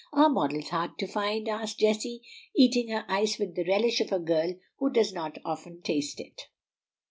"Are models hard to find?" asked Jessie, eating her ice with the relish of a girl who does not often taste it.